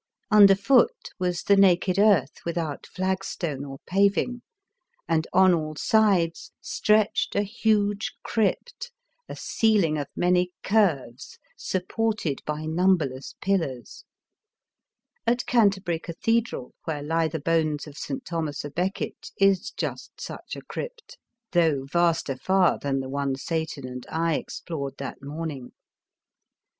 Underfoot was the naked earth without flagstone or paving, and, on all sides, stretched a huge crypt, a ceiling of many curves supported by numberless pillars. At Canterbury Cathedral, where lie the bones of St. Thomas a Becket, is just such a crypt, though vaster far than the one Satan and I explored that morning.